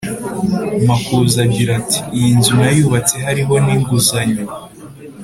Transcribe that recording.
makuza agira ati “iyinzu nayubatse hariho ninguzanyo”